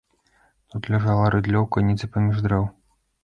Тут ляжала рыдлёўка недзе паміж дрэў.